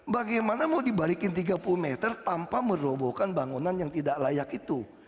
bagaimana mau dibalikin tiga puluh meter tanpa merobohkan bangunan yang tidak layak itu